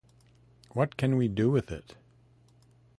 What can we do with it?